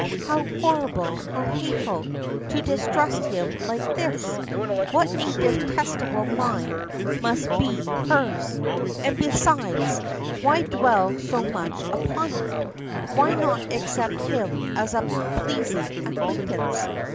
How horrible, how hateful to distrust him like this! What a detestable mind must be hers. And besides, why dwell so much upon it. Why not accept him as a pleasing acquaintance.